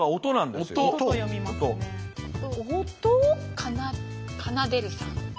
かな奏でるさん。